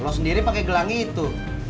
kalau sendiri pakai gelang itu